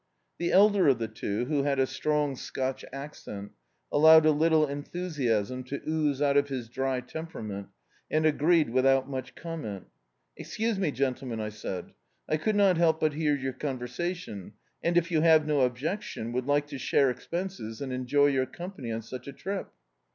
The elder of the two, who had a strong Scotch accent, allowed a little enthusiasm to ooze out of his dry temperament, and agreed without much comment. "Excuse me, gentlemen," I said, "I could not help but hear your conversation and, if you have no objection, would like to share expenses and enjoy your ccsnpany cm such a trip."